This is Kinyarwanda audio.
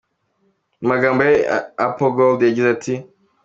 Mu magambo ye Apple Gold yagize ati:.